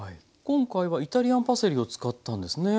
今回はイタリアンパセリを使ったんですね。